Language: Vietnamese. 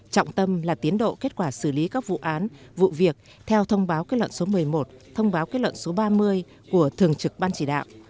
trọng tâm là tiến độ kết quả xử lý các vụ án vụ việc theo thông báo kết luận số một mươi một thông báo kết luận số ba mươi của thường trực ban chỉ đạo